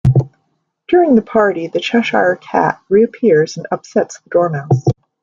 During the party, the Cheshire Cat reappears and upsets the Dormouse.